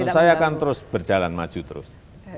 saya akan terus berjalan maju terus